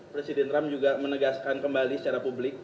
presiden trump juga menegaskan kembali secara publik